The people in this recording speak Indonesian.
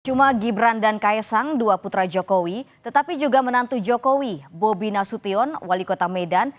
cuma gibran dan kaisang dua putra jokowi tetapi juga menantu jokowi bobi nasution wali kota medan